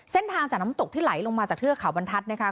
เส้นทางจากน้ำตกที่ไหลลงมาจากเทือกเขาบรรทัศน์นะคะ